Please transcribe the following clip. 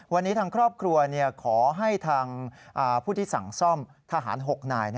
วันนี้ทางครอบครัวขอให้ทางผู้ที่สั่งซ่อมทหาร๖นาย